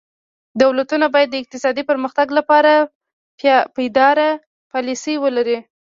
دولتونه باید د اقتصادي پرمختګ لپاره پایداره پالیسي ولري.